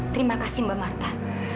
terima kasih mbak marta